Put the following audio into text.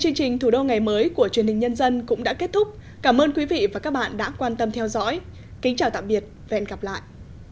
chương trình thủ đô ngày mới của truyền hình nhân dân cũng đã kết thúc cảm ơn quý vị và các bạn đã quan tâm theo dõi kính chào tạm biệt và hẹn gặp lại